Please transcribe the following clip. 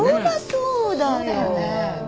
そうだよね。